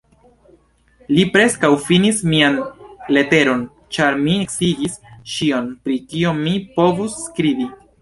Mi preskaŭ finis mian leteron, ĉar mi sciigis ĉion, pri kio mi povus skribi.